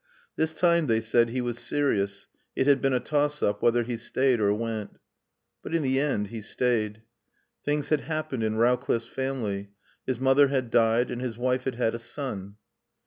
This time, they said, he was serious, it had been a toss up whether he stayed or went. But in the end he stayed. Things had happened in Rowcliffe's family. His mother had died and his wife had had a son.